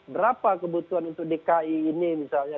berapa kebutuhan untuk dki ini misalnya